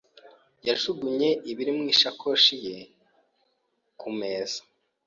yajugunye ibiri mu isakoshi ye ku meza.